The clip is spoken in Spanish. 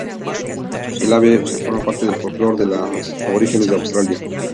El ave forma parte del folclore de los aborígenes de Australia.